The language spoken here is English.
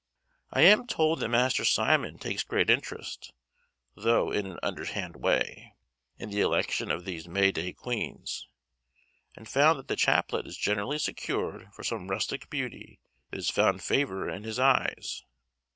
I am told that Master Simon takes great interest, though in an underhand way, in the election of these May Day Queens, and that the chaplet is generally secured for some rustic beauty that has found favour in his eyes.